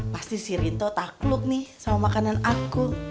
pasti si rinto tak kluk nih sama makanan aku